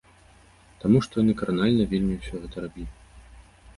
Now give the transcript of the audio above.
Таму што яны кранальна вельмі ўсё гэта рабілі.